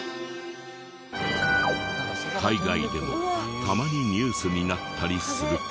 海外でもたまにニュースになったりするけど。